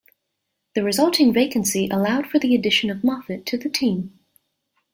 The resulting vacancy allowed for the addition of Moffitt to the team.